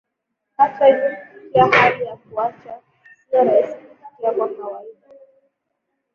Hata hivyo kufikia hali ya kuacha sio rahisi kufikia kwa kawaida